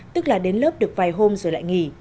tức là đến lớp được vài hôm rồi lại nghỉ